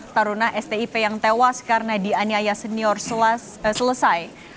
tarunah stip yang tewas karena di aniaya senior selesai